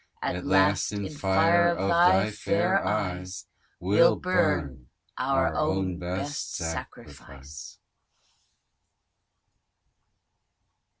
At last, in fire of thy fair eyes, We'll burn, our own best sacrifice.